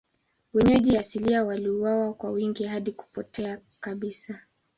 Wenyeji asilia waliuawa kwa wingi hadi kupotea kabisa.